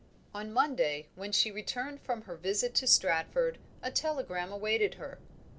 On Monday, when she returned from her visit to Stratford, a telegram awaited her.